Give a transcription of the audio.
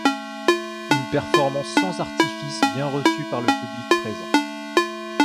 Une performance sans artifice bien reçue par le public présent.